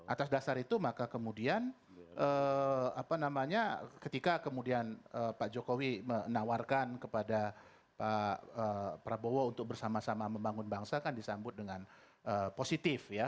atas dasar itu maka kemudian ketika kemudian pak jokowi menawarkan kepada pak prabowo untuk bersama sama membangun bangsa kan disambut dengan positif ya